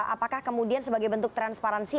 apakah kemudian sebagai bentuk transparansi